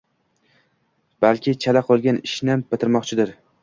Balki chala qolgan ishini bitirmoqchidir